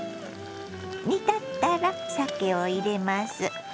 煮立ったらさけを入れます。